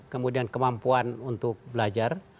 kemudian kemampuan untuk belajar